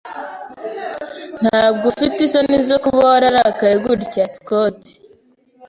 Ntabwo ufite isoni zo kuba wararakaye gutya? (Scott)